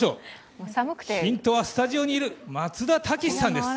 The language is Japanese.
ヒントはスタジオにいる松田丈志さんです。